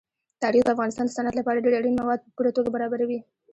تاریخ د افغانستان د صنعت لپاره ډېر اړین مواد په پوره توګه برابروي.